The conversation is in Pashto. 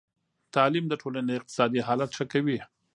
تعلیم د ټولنې اقتصادي حالت ښه کوي.